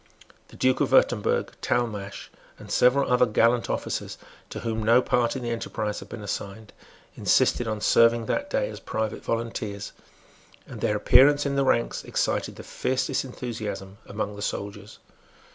The Duke of Wirtemberg, Talmash, and several other gallant officers, to whom no part in the enterprise had been assigned, insisted on serving that day as private volunteers; and their appearance in the ranks excited the fiercest enthusiasm among the soldiers.